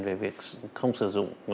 về việc không sử dụng